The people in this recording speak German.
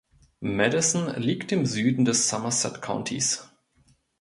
Madison liegt im Süden des Somerset Countys.